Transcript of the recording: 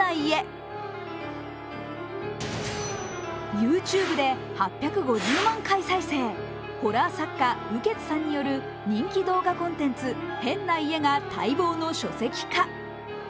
ＹｏｕＴｕｂｅで８５０万回再生、ホラー作家、雨穴さんによる人気動画コンテンツ、「変な家」が待望の書籍化。